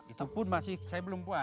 itu pun masih saya belum puas